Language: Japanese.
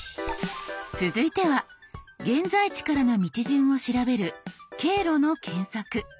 続いては現在地からの道順を調べる「経路の検索」。